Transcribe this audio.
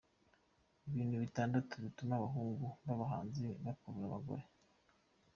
Ibintu Bitandatu bituma abahungu b’abahanzi bakurura abagore